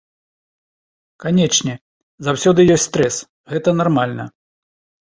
Канечне, заўсёды ёсць стрэс, гэта нармальна.